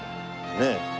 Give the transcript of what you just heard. ねえ。